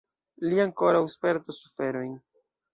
Li ankoraŭ spertos suferojn!